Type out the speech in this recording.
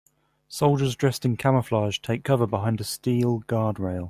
Soldiers dressed in camouflage take cover behind a steel guard rail.